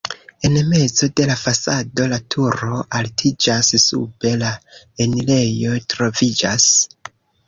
En mezo de la fasado la turo altiĝas, sube la enirejo troviĝas.